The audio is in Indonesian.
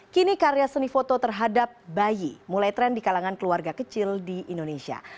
kini karya seni foto terhadap bayi mulai tren di kalangan keluarga kecil di indonesia